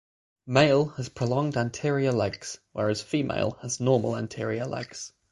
Male has prolonged anterior legs whereas female has normal anterior legs.